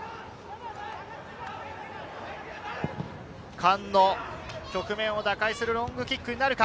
菅野、局面を打開するロングキックになるか？